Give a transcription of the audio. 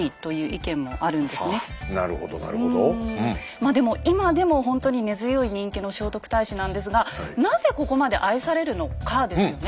まあでも今でもほんとに根強い人気の聖徳太子なんですがなぜここまで愛されるのかですよね。